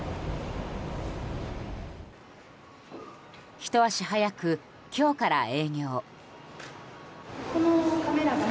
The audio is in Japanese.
ひと足早く今日から営業。